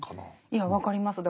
いや分かります。